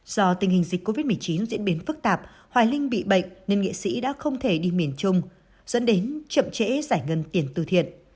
do tình hình dịch covid một mươi chín diễn biến phức tạp hoài linh bị bệnh nên nghệ sĩ đã không thể đi miền trung dẫn đến chậm trễ giải ngân tiền từ thiện